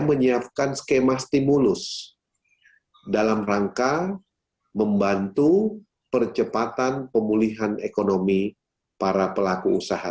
menyiapkan skema stimulus dalam rangka membantu percepatan pemulihan ekonomi para pelaku usaha